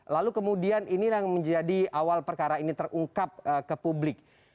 lalu kemudian ini yang menjadi awal perkara ini terungkap ke publik